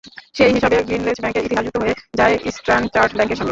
সেই হিসেবে, গ্রিন্ডলেজ ব্যাংকের ইতিহাস যুক্ত হয়ে যায় স্ট্যানচার্ট ব্যাংকের সঙ্গে।